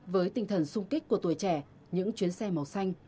với tinh thần sung kích của tuổi trẻ những chuyến xe màu xanh